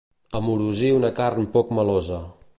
Amorosir una carn poc melosa.